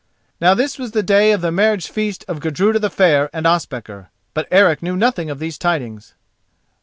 Now this was the day of the marriage feast of Gudruda the Fair and Ospakar; but Eric knew nothing of these tidings.